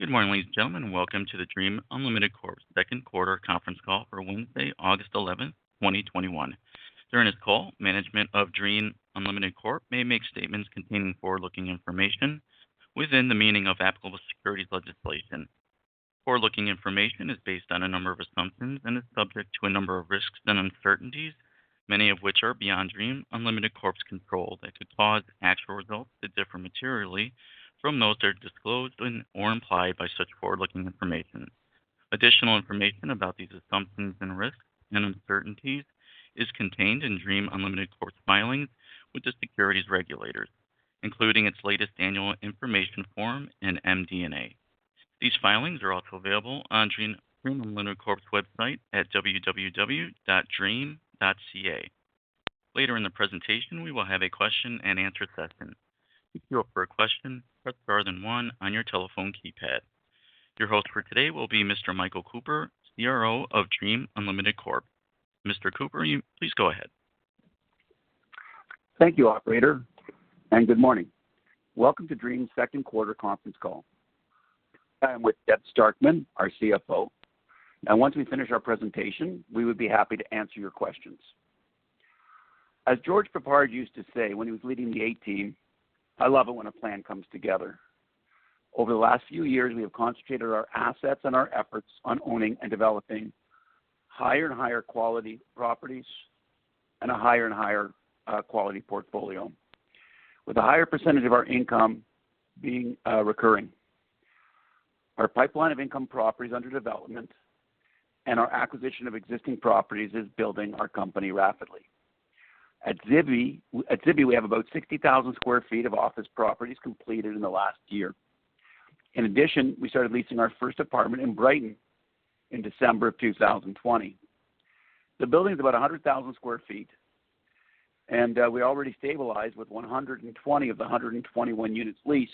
Good morning, ladies and gentlemen. Welcome to the DREAM Unlimited Corp.'s Second quarter conference call for Wednesday, August 11th, 2021. During this call, management of DREAM Unlimited Corp may make statements containing forward-looking information within the meaning of applicable securities legislation. Forward-looking information is based on a number of assumptions and is subject to a number of risks and uncertainties, many of which are beyond DREAM Unlimited Corp's control that could cause actual results to differ materially from those that are disclosed or implied by such forward-looking information. Additional information about these assumptions and risks and uncertainties is contained in DREAM Unlimited Corp's filings with the securities regulators, including its latest annual information form and MD&A. These filings are also available on DREAM Unlimited Corp's website at www.dream.ca. Later in the presentation, we will have a question-and-answer session. Your host for today will be Mr. Michael Cooper, CRO of DREAM Unlimited Corp. Mr. Cooper, you please go ahead. Thank you, operator, and good morning. Welcome to DREAM's second quarter conference call. I'm with Deb Starkman, our CFO, and once we finish our presentation, we would be happy to answer your questions. As George Peppard used to say when he was leading The A-Team, "I love it when a plan comes together." Over the last few years, we have concentrated our assets and our efforts on owning and developing higher and higher quality properties and a higher and higher quality portfolio with a higher percentage of our income being recurring. Our pipeline of income properties under development and our acquisition of existing properties is building our company rapidly. At Zibi, we have about 60,000 sq ft of office properties completed in the last year. In addition, we started leasing our first apartment in Brighton in December of 2020. The building's about 100,000 sq ft, and we already stabilized with 120 of the 121 units leased,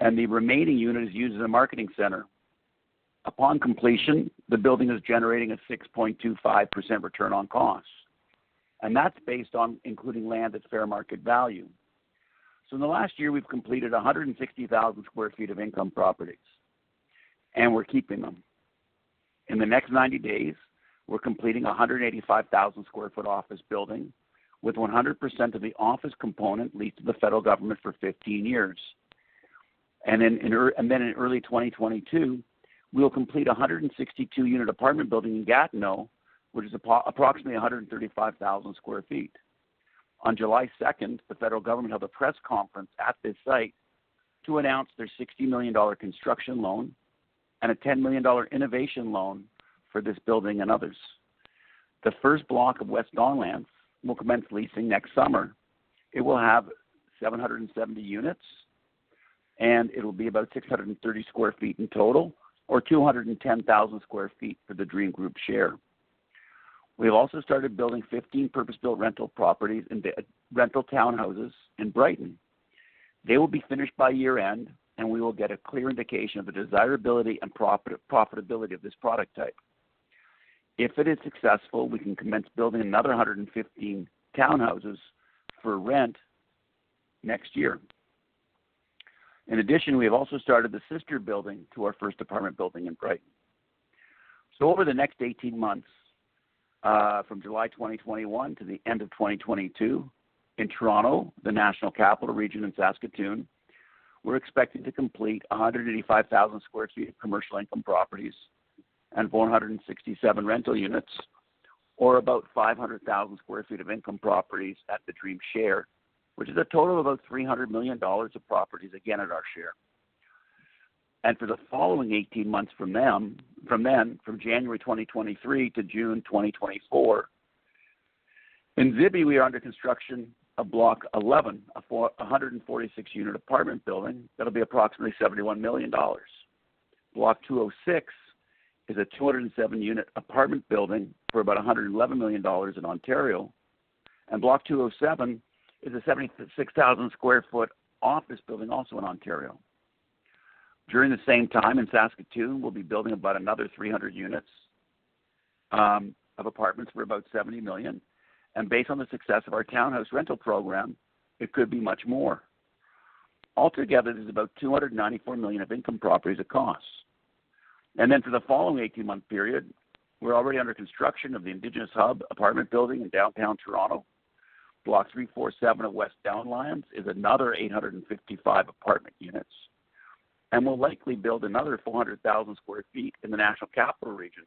and the remaining unit is used as a marketing center. Upon completion, the building is generating a 6.25% return on costs, and that's based on including land at fair market value. In the last year, we've completed 160,000 sq ft of income properties, and we're keeping them. In the next 90 days, we're completing 185,000 sq ft office building with 100% of the office component leased to the federal government for 15 years. In early 2022, we'll complete 162 unit apartment building in Gatineau, which is approximately 135,000 sq ft. On July 2nd, the federal government held a press conference at this site to announce their 60 million dollar construction loan and a 10 million dollar innovation loan for this building and others. The first block of West Don Lands will commence leasing next summer. It will have 770 units, and it'll be about 630 sq ft in total, or 210,000 sq ft for the DREAM Group share. We have also started building 15 purpose-built rental properties and rental townhouses in Brighton. They will be finished by year-end, and we will get a clear indication of the desirability and profitability of this product type. If it is successful, we can commence building another 115 townhouses for rent next year. In addition, we have also started the sister building to our first apartment building in Brighton. Over the next 18 months, from July 2021 to the end of 2022, in Toronto, the National Capital Region in Saskatoon, we're expecting to complete 185,000 sq ft of commercial income properties and 467 rental units, or about 500,000 sq ft of income properties at the DREAM share, which is a total of about 300 million dollars of properties, again, at our share. For the following 18 months from then, from January 2023 to June 2024, in Zibi, we are under construction of Block 11, a 146-unit apartment building that'll be approximately 71 million dollars. Block 206 is a 207-unit apartment building for about 111 million dollars in Ontario, and Block 207 is a 76,000 sq ft office building also in Ontario. During the same time in Saskatoon, we'll be building about another 300 units of apartments for about 70 million. Based on the success of our townhouse rental program, it could be much more. Altogether, this is about 294 million of income properties at cost. For the following 18-month period, we're already under construction of the Indigenous Hub apartment building in downtown Toronto. Block 347 of West Don Lands is another 855 apartment units, and we'll likely build another 400,000 sq ft in the National Capital Region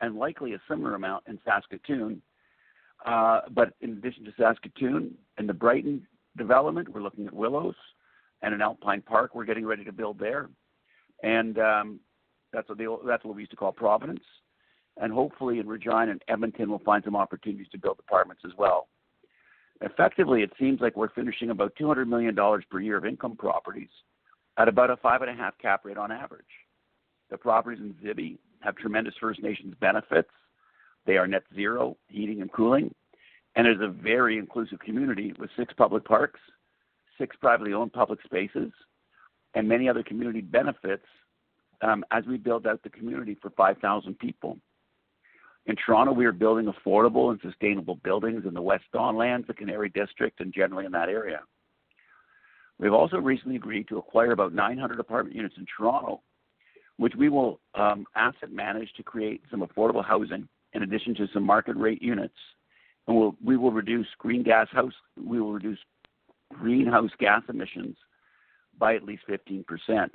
and likely a similar amount in Saskatoon. In addition to Saskatoon and the Brighton development, we're looking at Willows and in Alpine Park, we're getting ready to build there. That's what we used to call Providence. Hopefully in Regina and Edmonton, we'll find some opportunities to build apartments as well. Effectively, it seems like we're finishing about 200 million dollars per year of income properties at about a 5.5% cap rate on average. The properties in Zibi have tremendous First Nations benefits. They are net zero heating and cooling and is a very inclusive community with six public parks, six privately owned public spaces, and many other community benefits as we build out the community for 5,000 people. In Toronto, we are building affordable and sustainable buildings in the West Don Lands, the Canary District, and generally in that area. We've also recently agreed to acquire about 900 apartment units in Toronto, which we will asset manage to create some affordable housing in addition to some market rate units. We will reduce greenhouse gas emissions by at least 15%.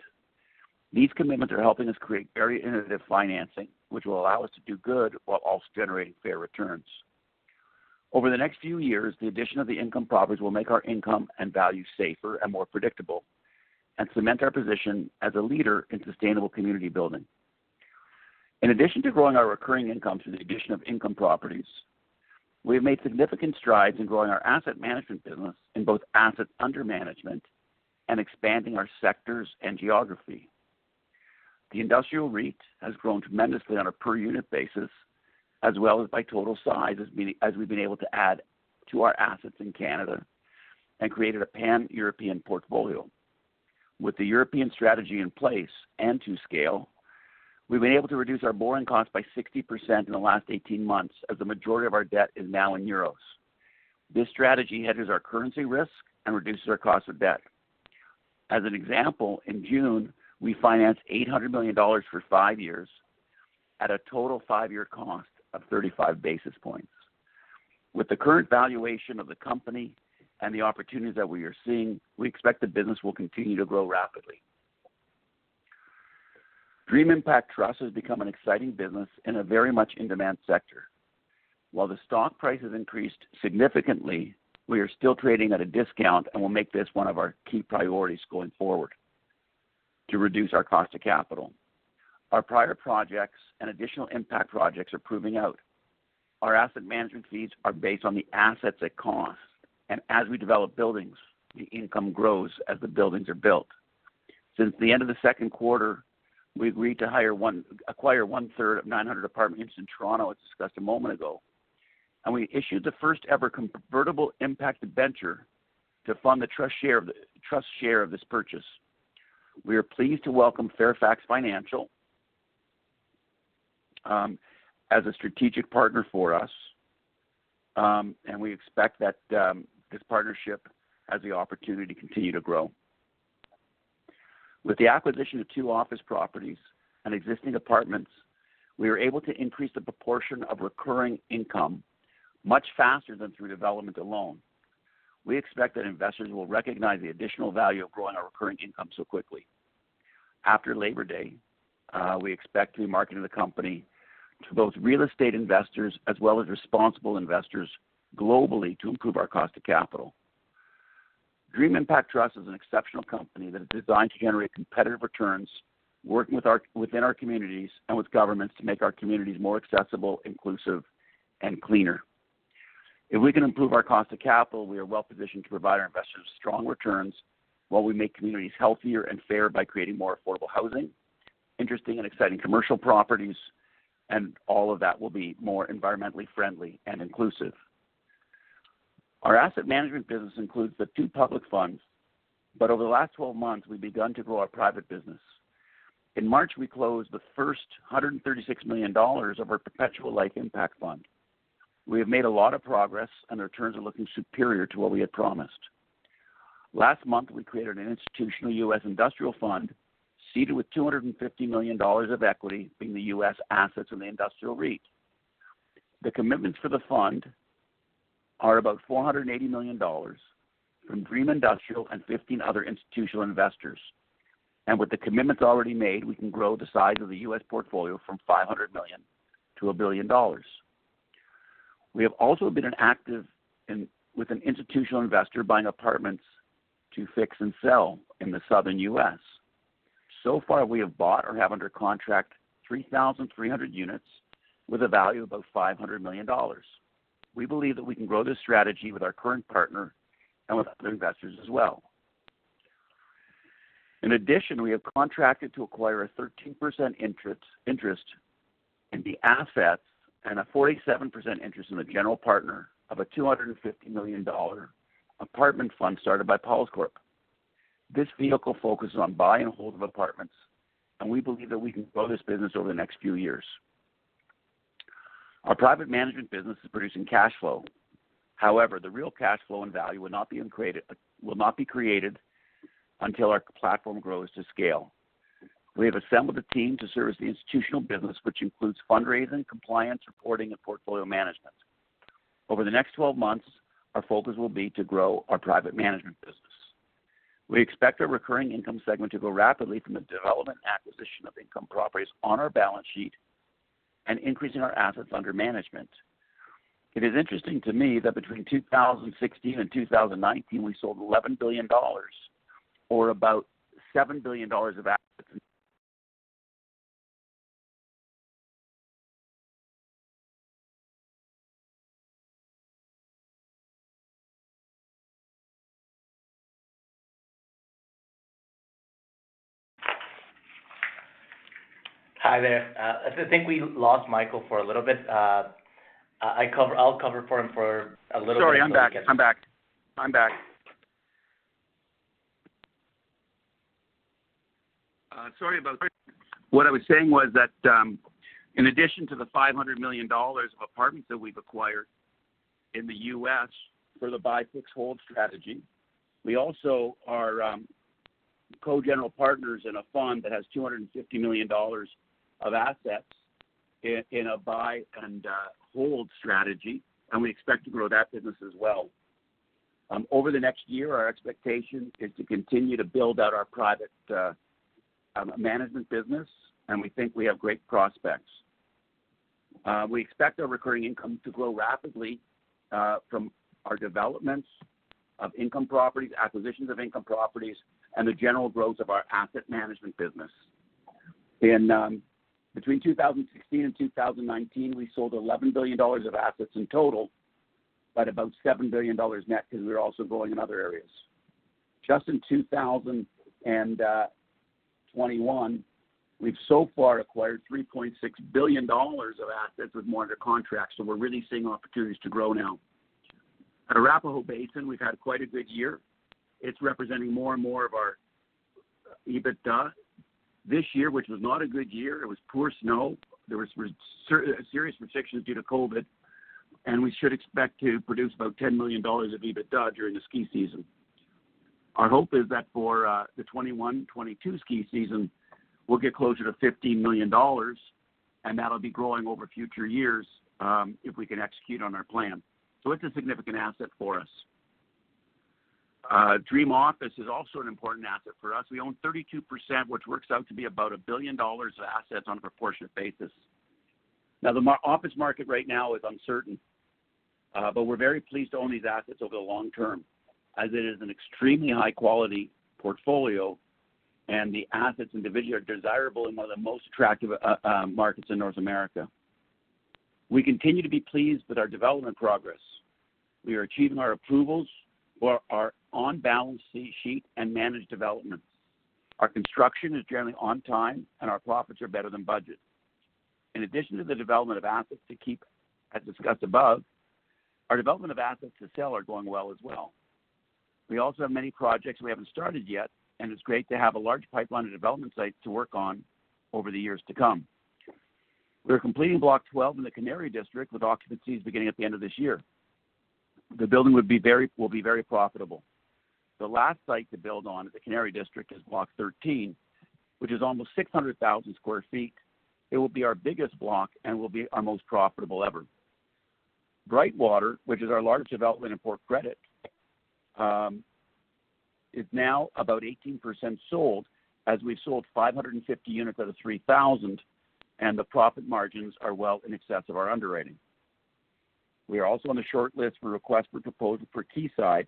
These commitments are helping us create very innovative financing, which will allow us to do good while also generating fair returns. Over the next few years, the addition of the income properties will make our income and value safer and more predictable and cement our position as a leader in sustainable community building. In addition to growing our recurring income through the addition of income properties, we have made significant strides in growing our asset management business in both assets under management and expanding our sectors and geography. The industrial REIT has grown tremendously on a per unit basis as well as by total size, as we've been able to add to our assets in Canada and created a Pan-European portfolio. With the European strategy in place and to scale, we've been able to reduce our borrowing costs by 60% in the last 18 months as the majority of our debt is now in euros. This strategy hedges our currency risk and reduces our cost of debt. As an example, in June, we financed 800 million dollars for five years at a total five-year cost of 35 basis points. With the current valuation of the company and the opportunities that we are seeing, we expect the business will continue to grow rapidly. DREAM Impact Trust has become an exciting business in a very much in-demand sector. While the stock price has increased significantly, we are still trading at a discount and will make this one of our key priorities going forward to reduce our cost of capital. Our prior projects and additional impact projects are proving out. Our asset management fees are based on the assets at cost, and as we develop buildings, the income grows as the buildings are built. Since the end of the second quarter, we agreed to acquire 1/3 of 900 apartment units in Toronto, as discussed a moment ago, and we issued the first-ever convertible impact debenture to fund the trust share of this purchase. We are pleased to welcome Fairfax Financial as a strategic partner for us, we expect that this partnership has the opportunity to continue to grow. With the acquisition of two office properties and existing apartments, we were able to increase the proportion of recurring income much faster than through development alone. We expect that investors will recognize the additional value of growing our recurring income so quickly. After Labor Day, we expect to be marketing the company to both real estate investors as well as responsible investors globally to improve our cost of capital. DREAM Impact Trust is an exceptional company that is designed to generate competitive returns, working within our communities and with governments to make our communities more accessible, inclusive, and cleaner. If we can improve our cost of capital, we are well-positioned to provide our investors strong returns while we make communities healthier and fairer by creating more affordable housing, interesting and exciting commercial properties, and all of that will be more environmentally friendly and inclusive. Our asset management business includes the two public funds, but over the last 12 months, we've begun to grow our private business. In March, we closed the first 136 million dollars of our perpetual impact fund. We have made a lot of progress, and the returns are looking superior to what we had promised. Last month, we created an institutional U.S. industrial fund seeded with 250 million dollars of equity in the U.S. assets in the DREAM Industrial REIT. The commitments for the fund are about 480 million dollars from DREAM Industrial and 15 other institutional investors. With the commitments already made, we can grow the size of the U.S. portfolio from 500 million-1 billion dollars. We have also been active with an institutional investor buying apartments to fix and sell in the Southern U.S. So far, we have bought or have under contract 3,300 units with a value of about 500 million dollars. We believe that we can grow this strategy with our current partner and with other investors as well. In addition, we have contracted to acquire a 13% interest in the assets and a 47% interest in the general partner of a 250 million dollar apartment fund started by PaulsCorp. This vehicle focuses on buy and hold of apartments, and we believe that we can grow this business over the next few years. Our private management business is producing cash flow. However, the real cash flow and value will not be created until our platform grows to scale. We have assembled a team to service the institutional business, which includes fundraising, compliance, reporting, and portfolio management. Over the next 12 months, our focus will be to grow our private management business. We expect our recurring income segment to grow rapidly from the development and acquisition of income properties on our balance sheet and increasing our assets under management. It is interesting to me that between 2016 and 2019, we sold CAD 11 billion or about 7 billion dollars of assets. Hi there. I think we lost Michael for a little bit. I'll cover for him for a little bit until he gets back. Sorry. I'm back, sorry about that. What I was saying was that in addition to the 500 million dollars of apartments that we've acquired in the U.S. for the buy-fix-hold strategy, we also are co-general partners in a fund that has 250 million dollars of assets in a buy-and-hold strategy, and we expect to grow that business as well. Over the next year, our expectation is to continue to build out our private management business, and we think we have great prospects. We expect our recurring income to grow rapidly from our developments of income properties, acquisitions of income properties, and the general growth of our asset management business. Between 2016 and 2019, we sold CAD 11 billion of assets in total, but about CAD 7 billion net because we're also growing in other areas. Just in 2021, we've so far acquired 3.6 billion dollars of assets with more under contract. We're really seeing opportunities to grow now. At Arapahoe Basin, we've had quite a good year. It's representing more and more of our EBITDA. This year, which was not a good year, it was poor snow, there was serious restrictions due to COVID. We should expect to produce about 10 million dollars of EBITDA during the ski season. Our hope is that for the 2021-2022 ski season, we'll get closer to 15 million dollars. That'll be growing over future years if we can execute on our plan. It's a significant asset for us. DREAM Office is also an important asset for us. We own 32%, which works out to be about 1 billion dollars of assets on a proportionate basis. The office market right now is uncertain, but we're very pleased to own these assets over the long term as it is an extremely high-quality portfolio and the assets individually are desirable in one of the most attractive markets in North America. We continue to be pleased with our development progress. We are achieving our approvals for our on-balance sheet and managed developments. Our construction is generally on time and our profits are better than budget. In addition to the development of assets to keep as discussed above, our development of assets to sell are going well as well. We also have many projects we haven't started yet and it's great to have a large pipeline of development sites to work on over the years to come. We are completing Block 12 in the Canary District with occupancies beginning at the end of this year. The building will be very profitable. The last site to build on at the Canary District is Block 13, which is almost 600,000 sq ft. It will be our biggest block and will be our most profitable ever. Brightwater, which is our largest development in Port Credit, is now about 18% sold as we've sold 550 units out of 3,000 and the profit margins are well in excess of our underwriting. We are also on the short list for request for proposal for Quayside,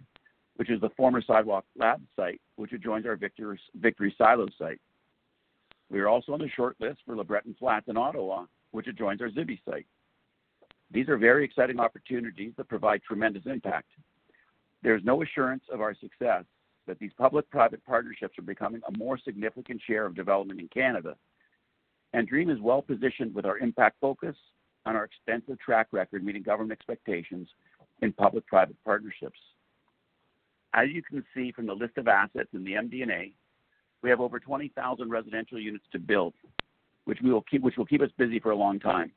which is the former Sidewalk Labs site, which adjoins our Victory Silos site. We are also on the short list for LeBreton Flats in Ottawa, which adjoins our Zibi site. These are very exciting opportunities that provide tremendous impact. There's no assurance of our success that these public-private partnerships are becoming a more significant share of development in Canada and DREAM is well-positioned with our impact focus on our extensive track record meeting government expectations in public-private partnerships. As you can see from the list of assets in the MD&A, we have over 20,000 residential units to build which will keep us busy for a long time.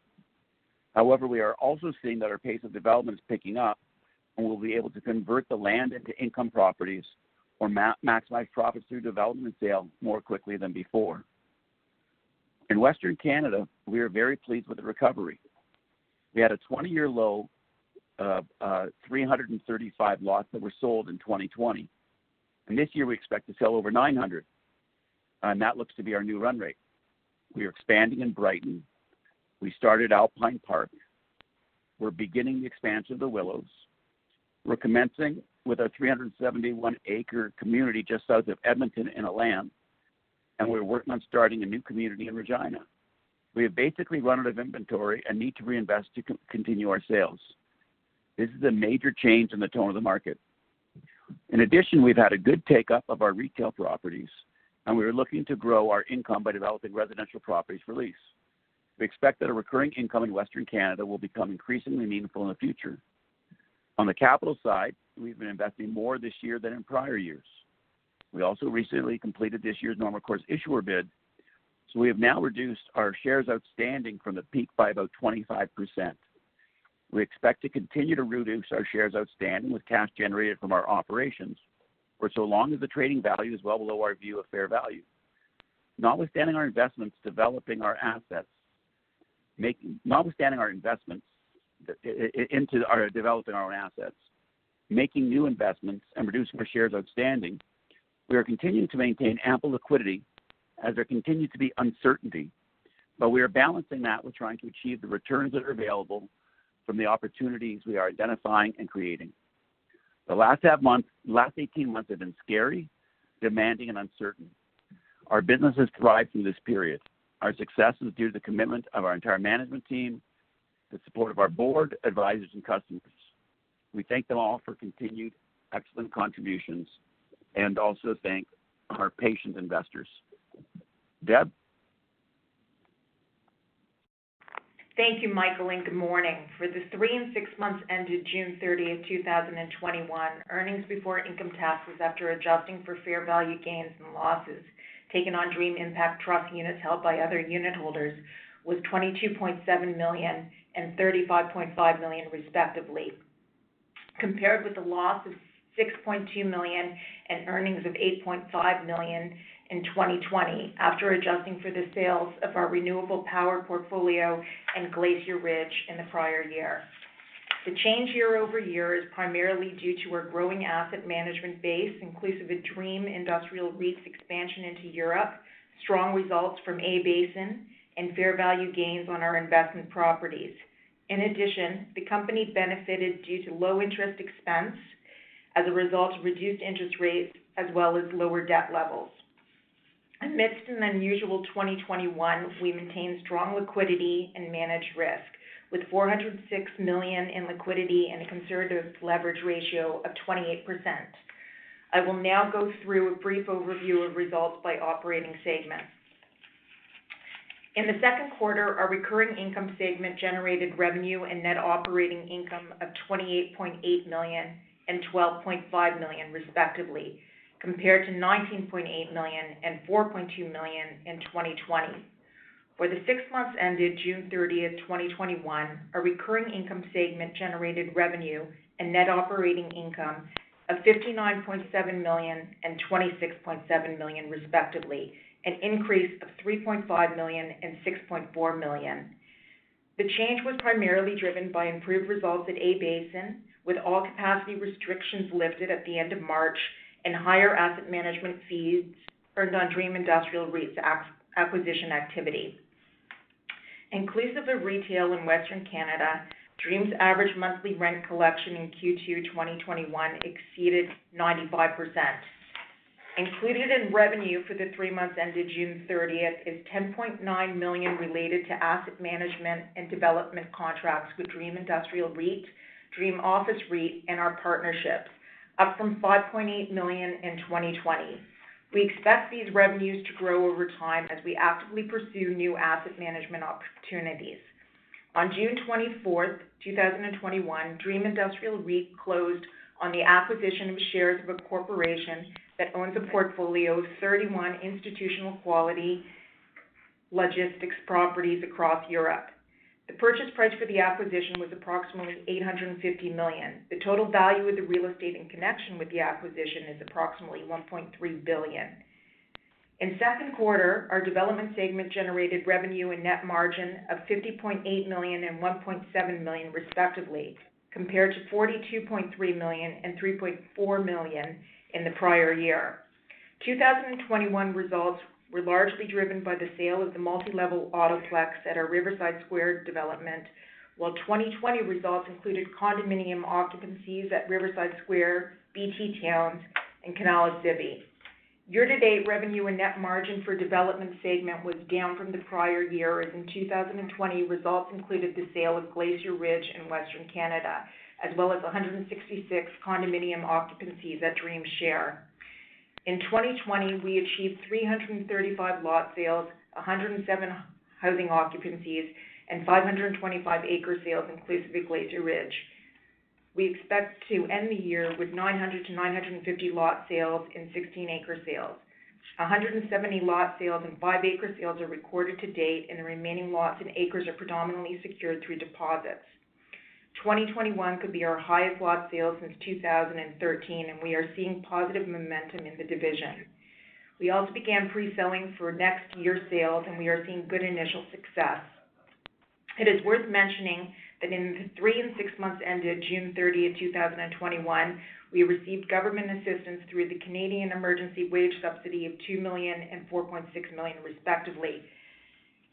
However, we are also seeing that our pace of development is picking up and we'll be able to convert the land into income properties or maximize profits through development sale more quickly than before. In Western Canada, we are very pleased with the recovery. We had a 20-year low of 335 lots that were sold in 2020 and this year we expect to sell over 900 and that looks to be our new run rate. We are expanding in Brighton, we started Alpine Park. We're beginning the expansion of The Willows. We're commencing with our 371 acres community just south of Edmonton in Élan. We're working on starting a new community in Regina. We have basically run out of inventory and need to reinvest to continue our sales. This is a major change in the tone of the market. In addition, we've had a good take-up of our retail properties and we are looking to grow our income by developing residential properties for lease. We expect that a recurring income in Western Canada will become increasingly meaningful in the future. On the capital side, we've been investing more this year than in prior years. We also recently completed this year's normal course issuer bid. We have now reduced our shares outstanding from the peak by about 25%. We expect to continue to reduce our shares outstanding with cash generated from our operations for so long as the trading value is well below our view of fair value. Notwithstanding our investments developing our own assets, making new investments and reducing our shares outstanding, we are continuing to maintain ample liquidity as there continues to be uncertainty. We are balancing that with trying to achieve the returns that are available from the opportunities we are identifying and creating. The last 18 months have been scary, demanding and uncertain. Our business has thrived through this period. Our success is due to the commitment of our entire management team, the support of our board, advisors and customers. We thank them all for continued excellent contributions and also thank our patient investors. Deb? Thank you, Michael, good morning. For the three and six months ended June 30th, 2021, earnings before income taxes after adjusting for fair value gains and losses taken on DREAM Impact Trust units held by other unit holders was 22.7 million and 35.5 million respectively, compared with a loss of 6.2 million and earnings of 8.5 million in 2020. After adjusting for the sales of our renewable power portfolio and Glacier Ridge in the prior year. The change year-over-year is primarily due to our growing asset management base inclusive of DREAM Industrial REIT's expansion into Europe, strong results from A-Basin, and fair value gains on our investment properties. In addition, the company benefited due to low interest expense as a result of reduced interest rates as well as lower debt levels. Amidst an unusual 2021, we maintained strong liquidity and managed risk with 406 million in liquidity and a conservative leverage ratio of 28%. I will now go through a brief overview of results by operating segment. In the second quarter, our recurring income segment generated revenue and net operating income of 28.8 million and 12.5 million respectively, compared to 19.8 million and 4.2 million in 2020. For the six months ended June 30th, 2021, our recurring income segment generated revenue and net operating income of 59.7 million and 26.7 million respectively, an increase of 3.5 million and 6.4 million. The change was primarily driven by improved results at A-Basin, with all capacity restrictions lifted at the end of March and higher asset management fees earned on DREAM Industrial REIT's acquisition activity. Inclusive of retail in Western Canada, DREAM's average monthly rent collection in Q2 2021 exceeded 95%. Included in revenue for the three months ended June 30th is 10.9 million related to asset management and development contracts with DREAM Industrial REIT, DREAM Office REIT, and our partnerships, up from 5.8 million in 2020. We expect these revenues to grow over time as we actively pursue new asset management opportunities. On June 24th, 2021, DREAM Industrial REIT closed on the acquisition of shares of a corporation that owns a portfolio of 31 institutional-quality logistics properties across Europe. The purchase price for the acquisition was approximately 850 million. The total value of the real estate in connection with the acquisition is approximately 1.3 billion. In second quarter, our development segment generated revenue and net margin of 50.8 million and 1.7 million respectively, compared to 42.3 million and 3.4 million in the prior year. 2021 results were largely driven by the sale of the multi-level auto-plex at our Riverside Square development, while 2020 results included condominium occupancies at Riverside Square, BT Towns, and Kanaal at Zibi. Year-to-date revenue and net margin for development segment was down from the prior year, as in 2020, results included the sale of Glacier Ridge in Western Canada, as well as 166 condominium occupancies that DREAM share. In 2020, we achieved 335 lot sales, 107 housing occupancies, and 525 acre sales inclusive of Glacier Ridge. We expect to end the year with 900-950 lot sales and 16 acre sales. 170 lot sales and 5 acre sales are recorded to date, and the remaining lots and acres are predominantly secured through deposits. 2021 could be our highest lot sale since 2013, and we are seeing positive momentum in the division. We also began pre-selling for next year's sales, and we are seeing good initial success. It is worth mentioning that in the three and six months ended June 30th, 2021, we received government assistance through the Canadian Emergency Wage Subsidy of 2 million and 4.6 million respectively.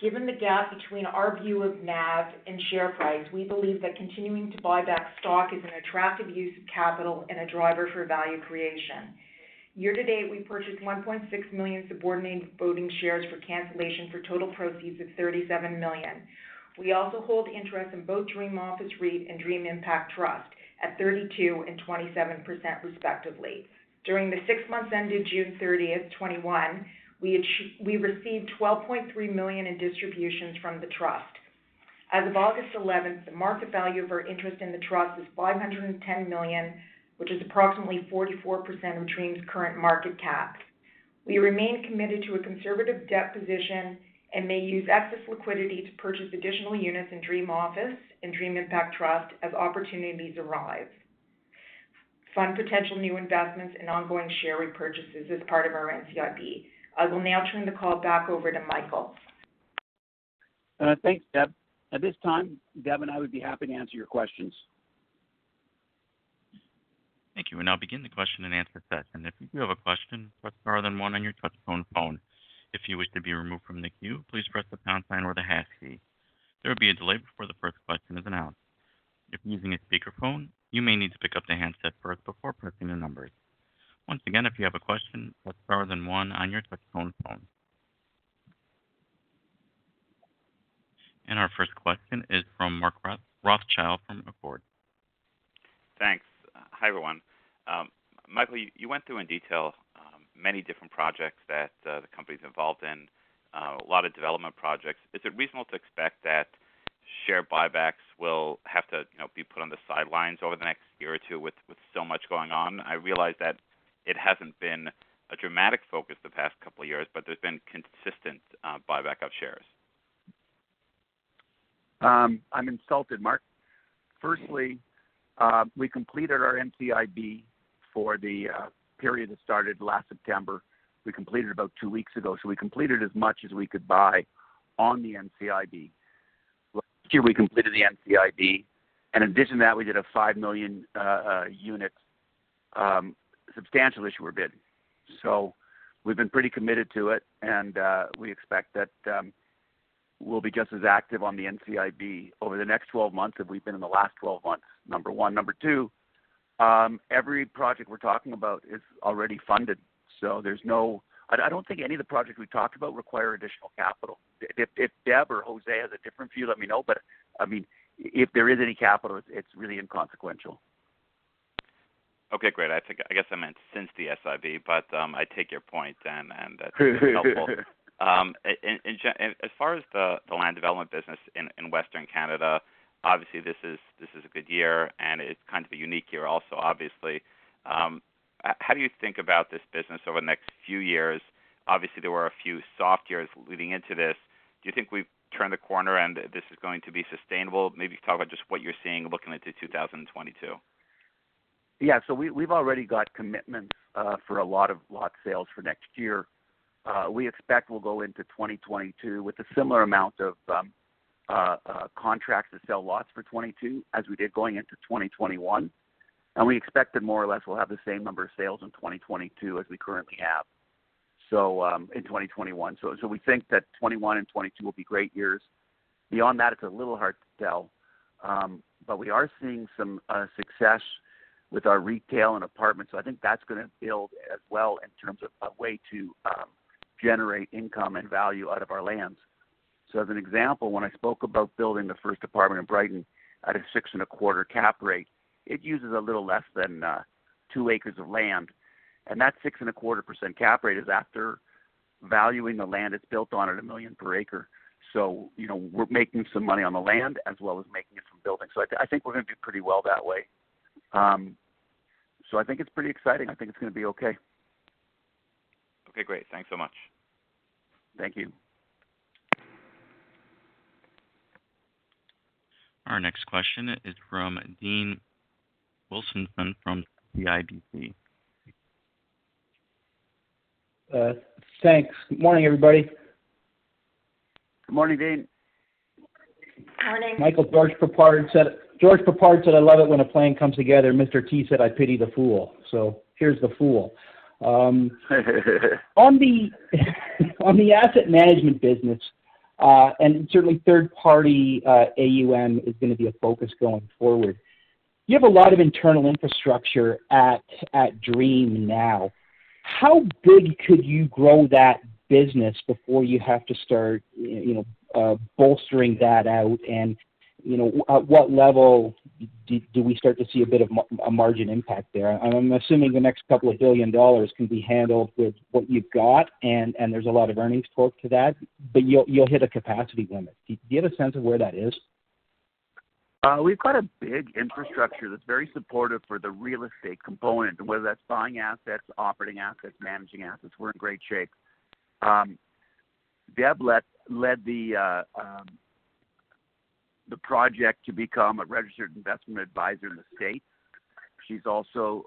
Given the gap between our view of NAV and share price, we believe that continuing to buy back stock is an attractive use of capital and a driver for value creation. Year-to-date, we purchased 1.6 million subordinated voting shares for cancellation for total proceeds of 37 million. We also hold interest in both DREAM Office REIT and DREAM Impact Trust at 32% and 27% respectively. During the six months ended June 30th, 2021, we received 12.3 million in distributions from the trust. As of August 11th, the market value of our interest in the trust is 510 million, which is approximately 44% of DREAM's current market cap. We remain committed to a conservative debt position and may use excess liquidity to purchase additional units in DREAM Office and DREAM Impact Trust as opportunities arise, fund potential new investments and ongoing share repurchases as part of our NCIB. I will now turn the call back over to Michael. Thanks, Deb. At this time, Deb and I would be happy to answer your questions. Thank you. We'll now begin the question-and-answer session. If you do have a question, press star then one on your touch-tone phone. If you wish to be removed from the queue, please press the pound sign or the hash key. Once again, if you have a question, press star then one on your touch-tone phone. Our first question is from Mark Rothschild from Canaccord. Hi, everyone. Michael, you went through in detail many different projects that the company's involved in, a lot of development projects. Is it reasonable to expect that share buybacks will have to be put on the sidelines over the next year or two with so much going on? I realize that it hasn't been a dramatic focus the past couple of years, but there's been consistent buyback of shares. I'm insulted, Mark. Firstly, we completed our NCIB for the period that started last September. We completed about two weeks ago, so we completed as much as we could buy on the NCIB. Last year we completed the NCIB. In addition to that, we did a five million unit substantial issuer bid. We've been pretty committed to it and we expect that we'll be just as active on the NCIB over the next 12 months as we've been in the last 12 months, number one. Number two, every project we're talking about is already funded. I don't think any of the projects we talked about require additional capital. If Deb or Jose has a different view, let me know, but if there is any capital, it's really inconsequential. Great, I guess I meant since the SIB, but I take your point then and that's very helpful. As far as the land development business in Western Canada, obviously this is a good year and it's kind of a unique year also, obviously. How do you think about this business over the next few years? Obviously, there were a few soft years leading into this. Do you think we've turned the corner and this is going to be sustainable? Maybe talk about just what you're seeing looking into 2022. Yeah, we've already got commitments for a lot of lot sales for next year. We expect we'll go into 2022 with a similar amount of contracts to sell lots for 2022 as we did going into 2021, and we expect that more or less we'll have the same number of sales in 2022 as we currently have in 2021. We think that 2021 and 2022 will be great years. Beyond that, it's a little hard to tell. We are seeing some success with our retail and apartments. I think that's going to build as well in terms of a way to generate income and value out of our lands. As an example, when I spoke about building the first apartment in Brighton at a 6.25% cap rate, it uses a little less than 2 acres of land, and that 6.25% cap rate is after valuing the land it's built on at 1 million per acre. We're making some money on the land as well as making it from building. I think we're going to do pretty well that way. I think it's pretty exciting, I think it's going to be okay. Okay, great. Thanks so much. Thank you. Our next question is from Dean Wilkinson from CIBC. Thanks. Good morning, everybody. Good morning, Dean. Morning. Michael, George Peppard said, "I love it when a plan comes together." Mr. T said, "I pity the fool." Here's the fool. On the asset management business, certainly third-party AUM is going to be a focus going forward. You have a lot of internal infrastructure at DREAM now. How big could you grow that business before you have to start bolstering that out, and at what level do we start to see a bit of a margin impact there? I'm assuming the next couple of billion dollars can be handled with what you've got, there's a lot of earnings talk to that, you'll hit a capacity limit. Do you have a sense of where that is? We've got a big infrastructure that's very supportive for the real estate component, whether that's buying assets, operating assets, managing assets, we're in great shape. Deb led the project to become a registered investment advisor in the States, she's also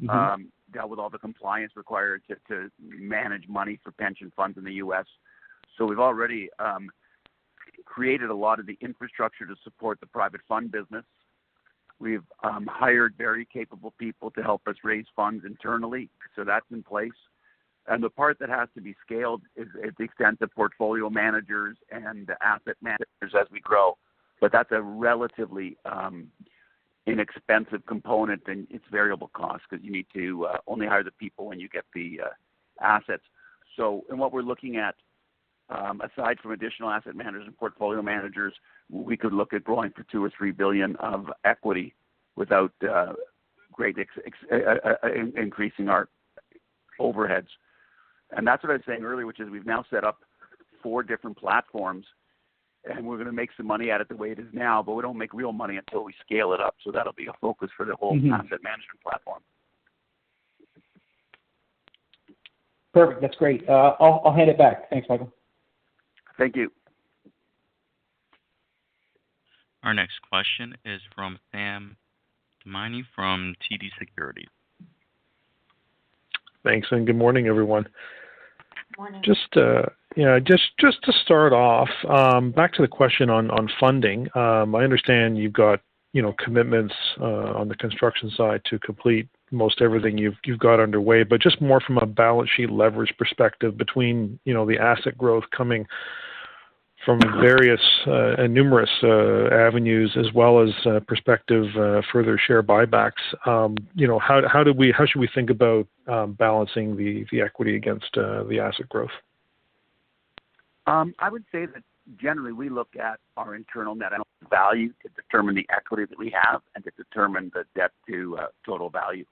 dealt with all the compliance required to manage money for pension funds in the U.S. We've already created a lot of the infrastructure to support the private fund business. We've hired very capable people to help us raise funds internally. That's in place. The part that has to be scaled is the extent of portfolio managers and asset managers as we grow. That's a relatively inexpensive component and it's variable cost because you need to only hire the people when you get the assets. What we're looking at, aside from additional asset managers and portfolio managers, we could look at growing for 2 billion or 3 billion of equity without greatly increasing our overheads. That's what I was saying earlier, which is we've now set up four different platforms and we're going to make some money at it the way it is now, but we don't make real money until we scale it up. That'll be a focus for the whole asset management platform. Perfect. That's great. I'll hand it back. Thanks, Michael. Thank you. Our next question is from Sam Damiani from TD Securities. Thanks, good morning, everyone. Morning. Just to start off, back to the question on funding. I understand you've got commitments on the construction side to complete most everything you've got underway, but just more from a balance sheet leverage perspective between the asset growth coming from various and numerous avenues as well as prospective further share buybacks. How should we think about balancing the equity against the asset growth? I would say that generally we look at our internal net value to determine the equity that we have and to determine the debt to total value.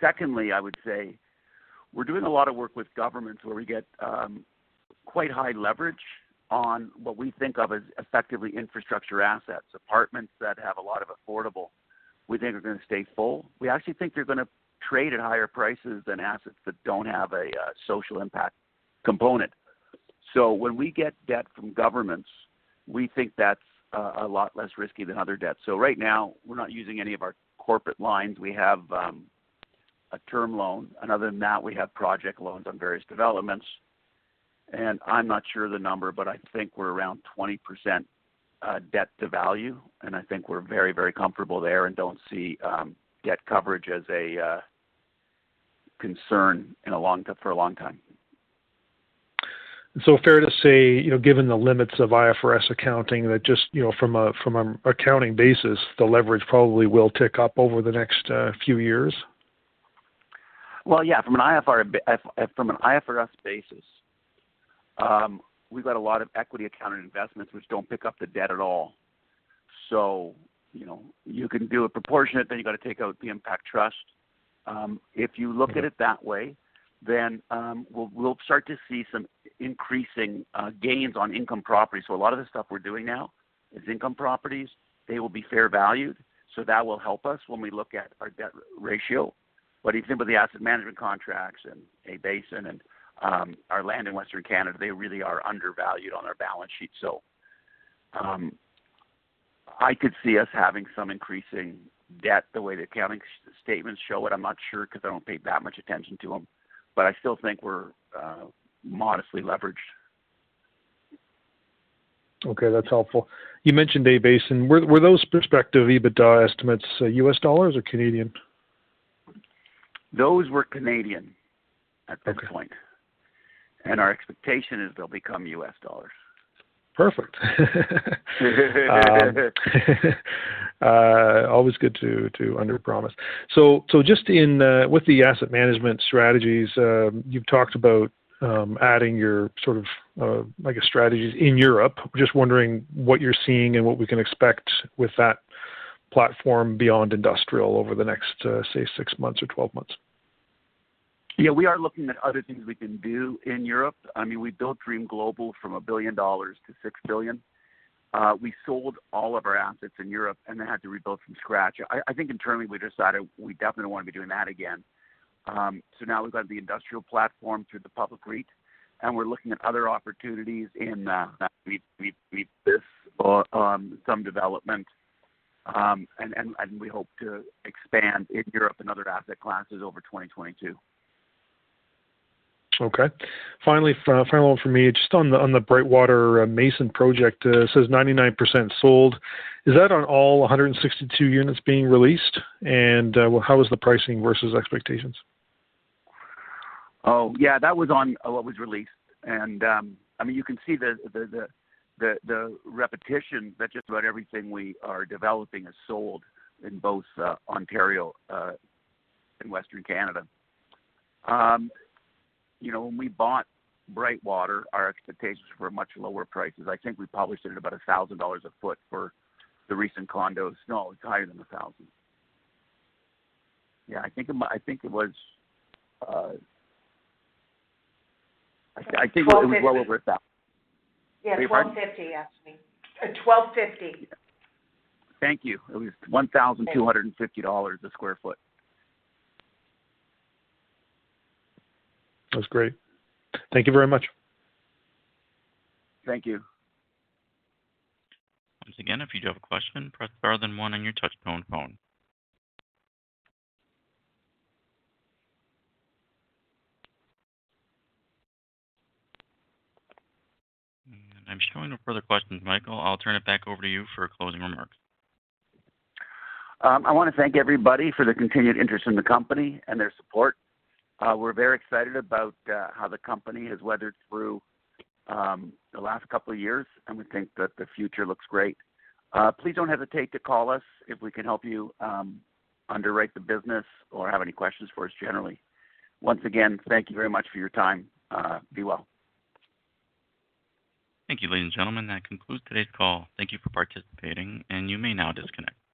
Secondly, I would say we're doing a lot of work with governments where we get quite high leverage on what we think of as effectively infrastructure assets. Apartments that have a lot of affordable, we think are going to stay full. We actually think they're going to trade at higher prices than assets that don't have a social impact component. When we get debt from governments, we think that's a lot less risky than other debt. Right now, we're not using any of our corporate lines. We have a term loan, and other than that, we have project loans on various developments. I'm not sure of the number, but I think we're around 20% debt to value. I think we're very comfortable there and don't see debt coverage as a concern for a long time. Fair to say, given the limits of IFRS accounting that just from an accounting basis, the leverage probably will tick up over the next few years? Well, yeah, from an IFRS basis, we've got a lot of equity accounted investments which don't pick up the debt at all. You can do a proportionate, then you've got to take out the impact trust. If you look at it that way, then we'll start to see some increasing gains on income property. A lot of the stuff we're doing now is income properties. They will be fair valued. That will help us when we look at our debt ratio. If you think about the asset management contracts and A-Basin and our land in Western Canada, they really are undervalued on our balance sheet. I could see us having some increasing debt the way the accounting statements show it. I'm not sure because I don't pay that much attention to them. I still think we're modestly leveraged. Okay, that's helpful. You mentioned A-Basin. Were those prospective EBITDA estimates U.S. dollars or Canadian? Those were Canadian at this point. Okay. Our expectation is they'll become U.S. dollars. Perfect. Always good to underpromise. Just with the asset management strategies, you've talked about adding your strategies in Europe. Just wondering what you're seeing and what we can expect with that platform beyond industrial over the next, say, six months or 12 months. Yeah, we are looking at other things we can do in Europe. We built Dream Global from 1 billion-6 billion dollars. We sold all of our assets in Europe and then had to rebuild from scratch. I think internally we decided we definitely don't want to be doing that again. Now we've got the industrial platform through the DREAM Industrial REIT, and we're looking at other opportunities in this, some development. We hope to expand in Europe and other asset classes over 2022. Okay. Final one from me, just on The Mason at Brightwater project, it says 99% sold. Is that on all 162 units being released? How was the pricing versus expectations? Yeah, that was on what was released. You can see the repetition that just about everything we are developing is sold in both Ontario and Western Canada. When we bought Brightwater, our expectations were much lower prices. I think we probably sold at about 1,000 dollars a ft for the recent condos. No, it was higher than 1,000. Yeah, I think it was? Yeah, 1,250, actually. 1,250. Thank you. It was 1,250 dollars a sq ft. That's great. Thank you very much. Thank you. Once again, if you do have a question, press star then one on your touch-tone phone. I'm showing no further questions. Michael, I'll turn it back over to you for closing remarks. I want to thank everybody for the continued interest in the company and their support. We're very excited about how the company has weathered through the last couple of years, and we think that the future looks great. Please don't hesitate to call us if we can help you underwrite the business or have any questions for us generally. Once again, thank you very much for your time. Be well. Thank you, ladies and gentlemen. That concludes today's call. Thank you for participating, and you may now disconnect.